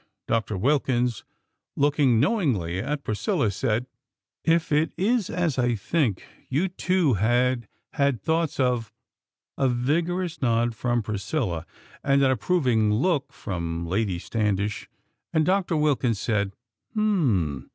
Doctor Wilkins, looking knowingly at Priscilla, said: "If it is as I think, you two had had thoughts of " A vigorous nod from Priscilla, and an approving look from Lady Standish, and Doctor Wilkins said: "Hm m m!